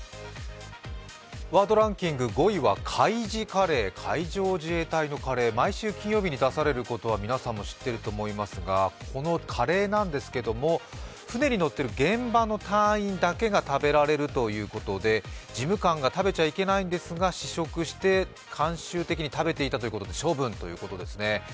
ワードランキング５位は海自カレー、海上自衛隊のカレー、毎週金曜日に出されることは皆さん、ご存じでしょうが、このカレーなんですけれども、船に乗っている現場の隊員だけが食べられるということで、事務官は食べちゃいけないんですが試食して慣習的に食べていたということで、処分ということですね。